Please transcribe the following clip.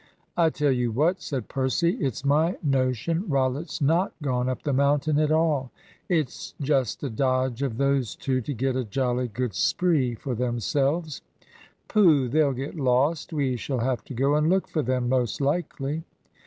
"I tell you what," said Percy. "It's my notion Rollitt's not gone up the mountain at all. It's just a dodge of those two to get a jolly good spree for themselves. Pooh! They'll get lost. We shall have to go and look for them, most likely."